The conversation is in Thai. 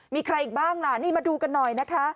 มีใครอีกบ้างล่ะนี่มาดูกันหน่อยนะคะ